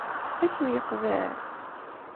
Ad kem-yeqbel?